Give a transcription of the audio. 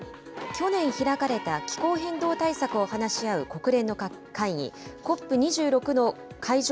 去年開かれた気候変動対策を話し合う国連の会議、ＣＯＰ２６の会場